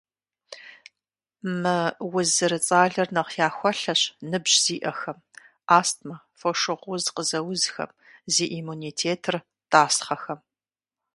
Мы уз зэрыцӀалэр нэхъ яхуэлъэщ ныбжь зиӀэхэм, астмэ, фошыгъу уз къызэузхэм, зи иммунитетыр тӀасхъэхэм.